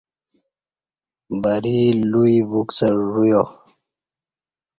بری لوئی وکڅہ ژویا